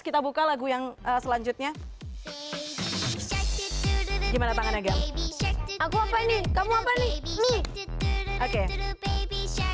kita buka lagu yang selanjutnya gimana tangannya gempi aku apa ini kamu apa nih